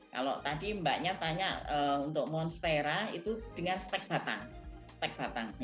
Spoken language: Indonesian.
kalau tadi mbaknya tanya untuk monstera itu dengan stek batang stek batang